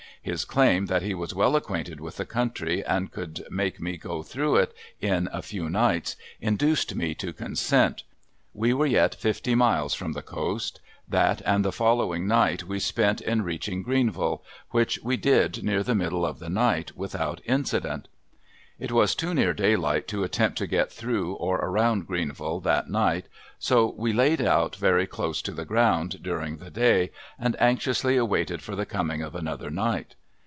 His claim that he was well acquainted with the country and could take me through in a few nights, induced me to consent. We were yet fifty miles from the coast. That and the following night we spent in reaching Greenville, which we did near the middle of the night, without incident. It was too near daylight to attempt to get through or around Greenville that night so we "laid very close to the ground" during the day and anxiously awaited for the coming of another night.